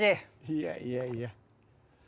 いやいやいや。